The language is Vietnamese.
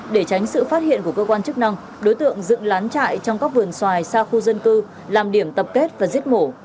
để tránh sự phát hiện của cơ quan chức năng đối tượng dựng lán trại trong các vườn xoài xa khu dân cư làm điểm tập kết và giết mổ